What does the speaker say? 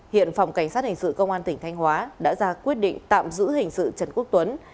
hiện phòng cảnh sát hình sự công an tỉnh thanh hóa đã ra quyết định tạm giữ hình sự trần quốc tuấn